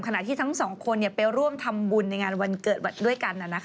ที่ทั้งสองคนไปร่วมทำบุญในงานวันเกิดด้วยกัน